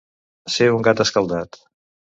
Ser un gat escaldat.